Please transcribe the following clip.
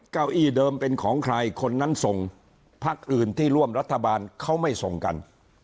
เก้าอี้เดิมเป็นของใครคนนั้นส่งพักอื่นที่ร่วมรัฐบาลเขาไม่ส่งกัน